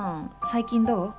最近どう？